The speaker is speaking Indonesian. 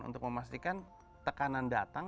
untuk memastikan tekanan datang